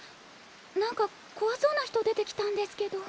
なんか怖そうな人出てきたんですけど。